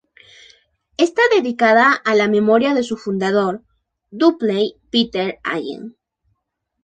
Está dedicado a la memoria de su fundador, Dudley Peter Allen.